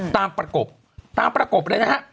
ตามประกบตามประกบเลยนะครับ